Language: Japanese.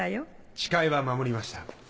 誓いは守りました。